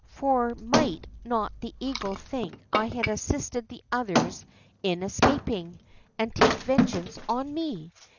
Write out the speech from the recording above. For might not the eagle think I had assisted the others in escaping, and take vengeance on me